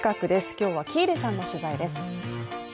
今日は喜入さんの取材です。